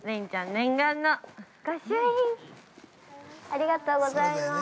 ◆ありがとうございます。